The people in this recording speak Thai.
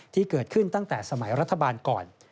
ที่เกิดขึ้นตั้งแต่สมัยรัฐบาลก่อน